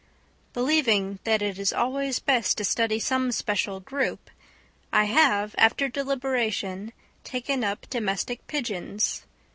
_ Believing that it is always best to study some special group, I have, after deliberation, taken up domestic pigeons.